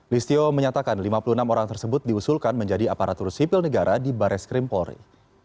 listio menyatakan lima puluh enam orang tersebut diusulkan menjadi aparatur sipil negara di baris krimpori